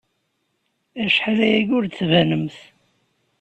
Acḥal aya ur d-tbanemt.